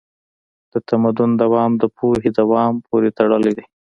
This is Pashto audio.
د تمدن دوام د پوهې دوام پورې تړلی دی.